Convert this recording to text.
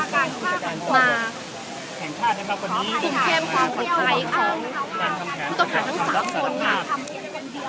คุณเค้มความปลอดภัยของผู้ตกหาทั้งสามคน